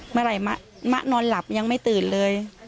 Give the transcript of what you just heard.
เมื่อไหร่มะนอนหลับยังไม่ตื่นเลย